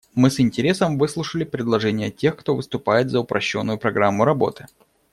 Мы с интересом выслушали предложения тех, кто выступает за упрощенную программу работы.